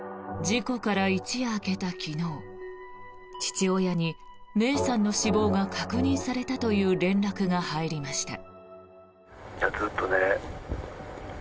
事故から一夜明けた昨日父親に芽生さんの死亡が確認されたという連絡が入りました。